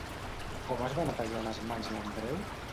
Com es va netejar les mans l'Andreu?